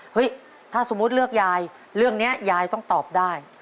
ถ้าสมมุติเลือกยายเรื่องนี้ยายต้องตอบได้